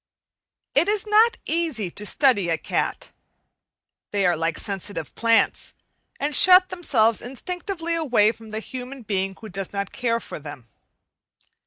It is not easy to study a cat. They are like sensitive plants, and shut themselves instinctively away from the human being who does not care for them.